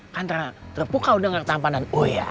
kan terpuka udah gak ketampanan